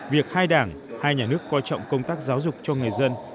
việc hai đảng hai nhà nước coi trọng công tác giáo dục cho người dân